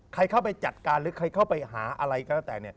ใครเข้าไปจัดการหรือใครเข้าไปหาอะไรก็แล้วแต่